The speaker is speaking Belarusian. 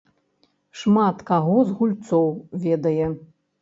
Шмат каго з гульцоў ведае.